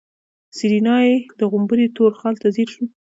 سېرېنا يې د غومبري تور خال ته ځير شوه.